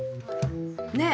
ねえ。